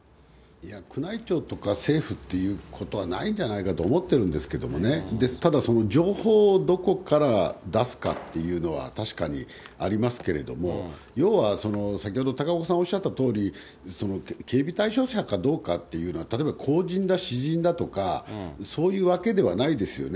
宮内庁とか政府っていうことはないんじゃないかと思ってるんですけれどもね、ただ、情報をどこから出すかっていうのは確かにありますけれども、要は先ほど高岡さんおっしゃったとおり、警備対象者かどうかっていうのは、例えば公人だ、私人だとか、そういうわけではないですよね。